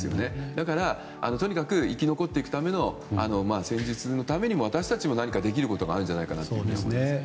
だからとにかく生き残っていくための戦術のために私たちも何かできることがあるんじゃないかと思いますね。